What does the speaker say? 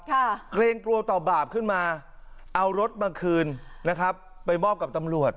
เกรงกลัวต่อบาปขึ้นมาเอารถมาคืนนะครับไปมอบกับตำรวจ